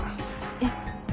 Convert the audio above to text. えっ？